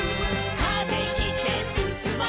「風切ってすすもう」